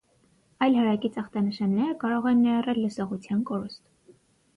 Այլ հարակից ախտանշանները կարող են ներառել լսողության կորուստ։